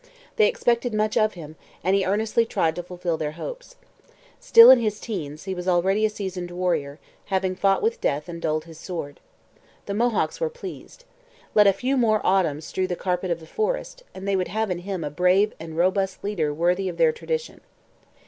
They expected much of him, and he earnestly tried to fulfil their hopes. Still in his teens, he was already a seasoned warrior, having 'fought with Death and dulled his sword.' The Mohawks were pleased. Let a few more autumns strew the carpet of the forest, and they would have in him a brave and robust leader worthy of their tradition.